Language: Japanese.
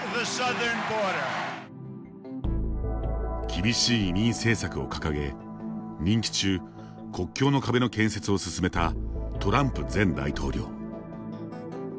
厳しい移民政策を掲げ、任期中国境の壁の建設を進めたトランプ前大統領。